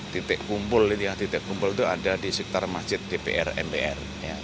titik kumpul itu ada di sekitar masjid dpr mpr